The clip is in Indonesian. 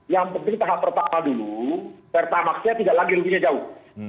yang penting tahap pertama dulu pertamax nya tidak lagi lebihnya jauh